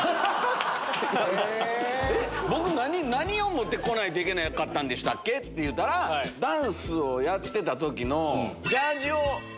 僕何を持って来ないといけなかった？って言うたらダンスをやってた時のジャージーを。